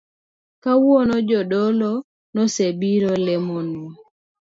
Kawuono Jadolo nosebiro lemonwa